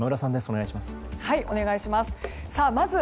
お願いします。